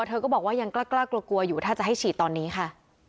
เธอก็บอกว่ายังกล้ากลัวกลัวอยู่ถ้าจะให้ฉีดตอนนี้ค่ะ